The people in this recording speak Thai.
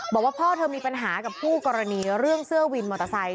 บอกว่าพ่อเธอมีปัญหากับคู่กรณีเรื่องเสื้อวินมอเตอร์ไซค